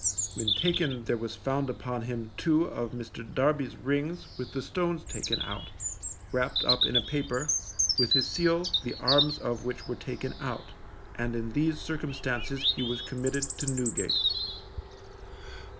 When taken there was found upon him two of Mr. Darby's rings with the stones taken out, wrapped up in a paper, with his seal the arms of which were taken out, and in these circumstances he was committed to Newgate.